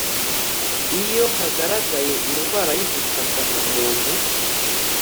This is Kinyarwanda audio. Iyo hagaragaye indwara y ubutaka umuntu